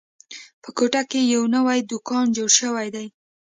په کوټه کې یو نوی دوکان جوړ شوی ده